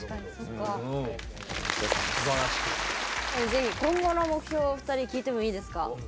是非今後の目標を２人聞いてもいいですか？